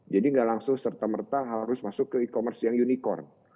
jadi nggak langsung serta merta harus masuk ke e commerce yang unicorn